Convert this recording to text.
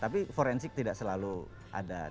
tapi forensic tidak selalu ada titik titik yang berbeda ya